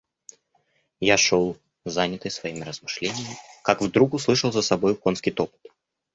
Я шел, занятый своими размышлениями, как вдруг услышал за собою конский топот.